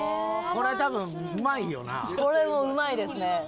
これうまいですね。